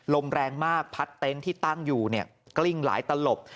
ลมแรงมากพัดเต็นต์ที่ตั้งอยู่เนี่ยกลิ้งหลายตลบ